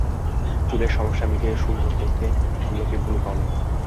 চুলের সমস্যা মিটিয়ে সুন্দর করতে আমলকীর ভূমিকা অনেক।